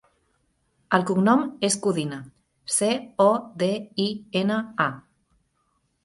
El cognom és Codina: ce, o, de, i, ena, a.